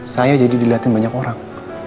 saya jadi dilihatin banyak orang